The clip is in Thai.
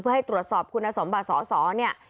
เพื่อให้ตรวจสอบคุณสมบัติสอสอเนี่ย